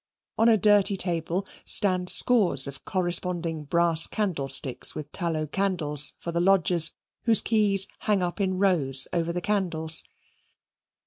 On a dirty table stand scores of corresponding brass candlesticks with tallow candles for the lodgers, whose keys hang up in rows over the candles.